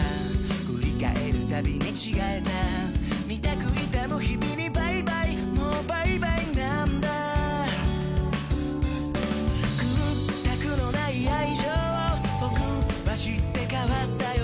振り返るたび寝違えたみたく痛む日々にバイバイもうバイバイなんだ屈託の無い愛情を僕は知って変わったよ